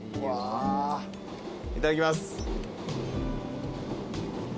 いただきます。